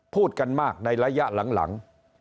พูดกันมากในระยะหลัง